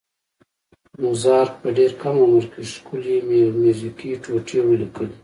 موزارټ په ډېر کم عمر کې ښکلې میوزیکي ټوټې ولیکلې.